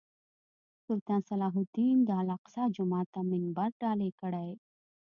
سلطان صلاح الدین د الاقصی جومات ته منبر ډالۍ کړی.